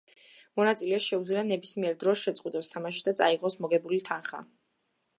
მონაწილეს შეუძლია, ნებისმიერ დროს შეწყვიტოს თამაში და წაიღოს მოგებული თანხა.